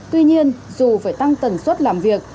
tuy nhiên dù phải tăng tần suất làm việc